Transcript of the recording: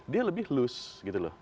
dia lebih loose gitu loh